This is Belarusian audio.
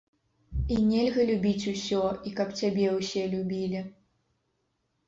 І нельга любіць усё, і каб цябе ўсе любілі.